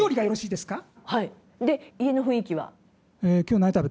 で家の雰囲気は？